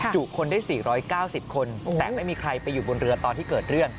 คนได้๔๙๐คนแต่ไม่มีใครไปอยู่บนเรือตอนที่เกิดเรื่อง